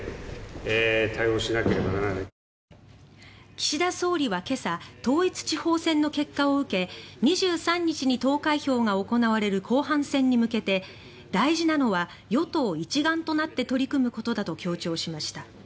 岸田総理は今朝統一地方選の結果を受け２３日に投開票が行われる後半戦に向けて大事なのは与党一丸となって取り組むことだと強調しました。